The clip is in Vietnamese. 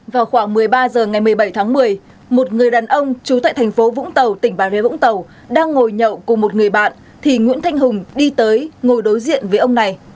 vào khoảng một mươi ba h ngày một mươi bảy tháng một mươi một người đàn ông trú tại thành phố vũng tàu tỉnh bà rê vũng tàu đang ngồi nhậu cùng một người bạn thì nguyễn thanh hùng đi tới ngồi đối diện với ông này